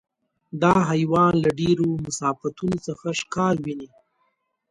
دا حیوان له ډېرو مسافتونو څخه ښکار ویني.